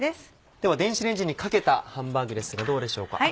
では電子レンジにかけたハンバーグですがどうでしょうか。